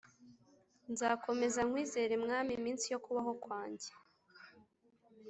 nzakomeza nkwizere mwami iminsi yokubaho kwanjye